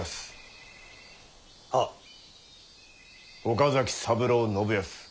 岡崎三郎信康。